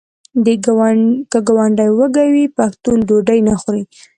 که ګاونډی وږی وي پښتون ډوډۍ نه خوري.